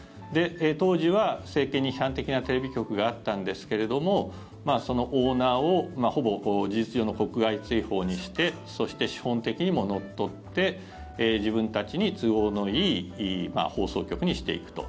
当時は政権に批判的なテレビ局があったんですけどもそのオーナーをほぼ事実上の国外追放にしてそして、資本的にも乗っ取って自分たちに都合のいい放送局にしていくと。